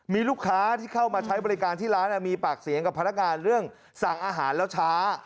มีลูกค้าที่เข้ามาใช้บริการที่ร้านมีปากเสียงกับพนักงานเรื่องสั่งอาหารแล้วช้า